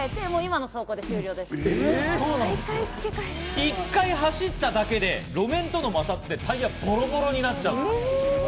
１回走っただけで、路面との摩擦でタイヤがボロボロになっちゃうんです。